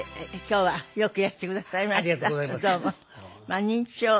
はい。